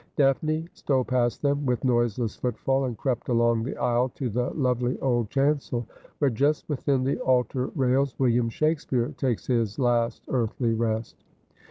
Daphne stole past them with noiseless footfall, and crept along the aisle to the lovely old chancel, where, just within the altar rails, William Shakespeare takes his last earthly rest.